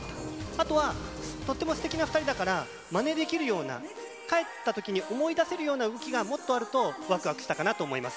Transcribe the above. あとは、とっても素敵な２人だから、まねできるような、帰ったときに思い出せるような動きがもっとあると、わくわくしたかなと思います。